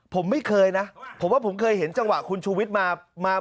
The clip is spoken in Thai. ผมไม่เคยนะผมว่าผมเคยเห็นจังหวะคุณชูวิทย์มา